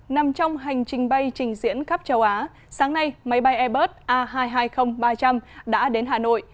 nằm trong hành trình bay trình diễn khắp châu á sáng nay máy bay airbus a hai trăm hai mươi ba trăm linh đã đến hà nội